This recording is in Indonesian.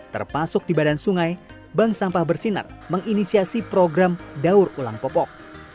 termasuk di badan sungai bank sampah bersinar menginisiasi program daur ulang popok